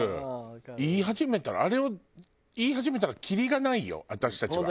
言い始めたらあれを言い始めたらきりがないよ私たちは。